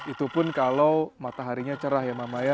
itu pun kalau mataharinya cerah ya mama ya